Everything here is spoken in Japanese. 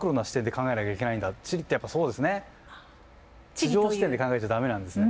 地上視点で考えちゃ駄目なんですね。